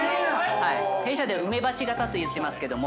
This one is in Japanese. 弊社では梅鉢型と言ってますけども。